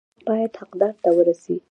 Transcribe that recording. حق باید حقدار ته ورسي